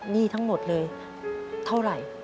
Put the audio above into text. หนี้ทั้งหมดเลยเท่าไหร่